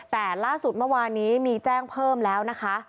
แต่ล่าสุดเมื่อวานนี้มีแจ้งเพิ่มแล้วนะคะ